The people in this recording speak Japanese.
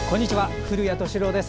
古谷敏郎です。